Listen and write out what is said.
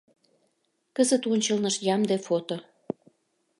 Кызыт ончылнышт ямде фото.